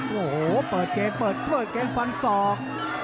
โหเปิดเกณฑ์เปิดเกณฑ์ฝั่งศอก